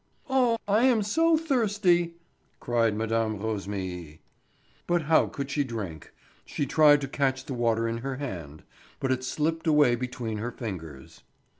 "Oh, I am so thirsty!" cried Mme. Rosémilly. But how could she drink? She tried to catch the water in her hand, but it slipped away between her fingers.